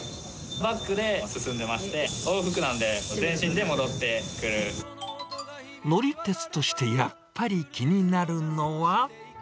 バックで進んでまして、往復なんで、乗り鉄として、やっぱり気になるのは。